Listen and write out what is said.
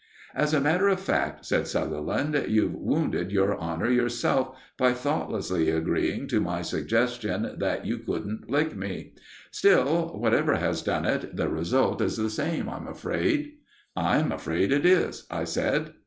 "As a matter of fact," said Sutherland, "you've wounded your honour yourself, by thoughtlessly agreeing to my suggestion that you couldn't lick me. Still, whatever has done it, the result is the same, I'm afraid." "I'm afraid it is," I said.